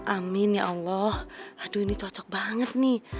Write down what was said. amin ya allah aduh ini cocok banget nih